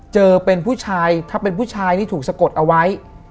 เจอเป็นผู้ชายถ้าเป็นผู้ชายนี่ถูกสะกดเอาไว้